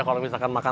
kalau misalkan makan